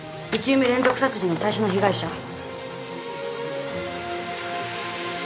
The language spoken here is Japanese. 生き埋め連続殺人の最初の被害者。